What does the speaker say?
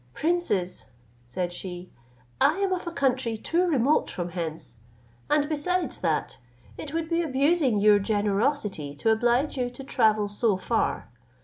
"Princes," said she, "I am of a country too remote from hence; and, besides that, it would be abusing your generosity to oblige you to travel so far.